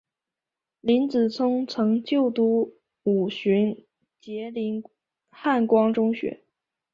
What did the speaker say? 林子聪曾就读五旬节林汉光中学。